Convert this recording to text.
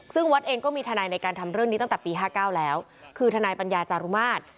ซึ่งวัดเองก็มีทนายในการทำเรื่องนี้ตั้งแต่ปี๕๙แล้วคือทนายปัญญาจารุมาตร